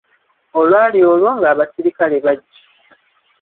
Olwaali olwo, nga abasirikale bajja.